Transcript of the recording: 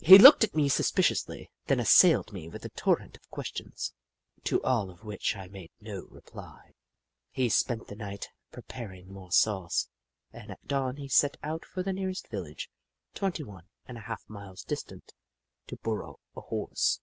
He looked at me suspiciously, then assailed me with a torrent of questions, to all of which I made no reply. He spent the night pre paring more sauce, and at dawn he set out for the nearest village, twenty one and a half miles distant, to borrow a Horse.